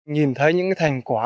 nhìn thấy những thành quả